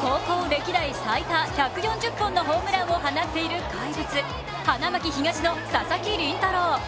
高校歴代最多１４０本のホームランを放っている怪物、花巻東の佐々木麟太郎。